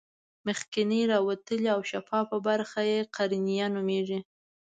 مخکینۍ راوتلې او شفافه برخه یې قرنیه نومیږي.